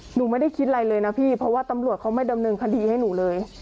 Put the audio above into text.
หนูไม่ได้คิดอะไรเลยนะพี่เพราะว่าตำรวจเขาไม่ดำเนินคดีให้หนูเลย